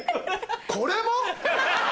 これも？